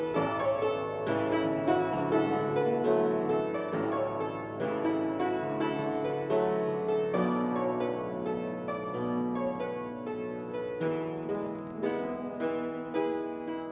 mbak desi nyanyi